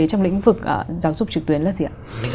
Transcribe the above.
trong lĩnh vực giáo dục trực tuyến là gì ạ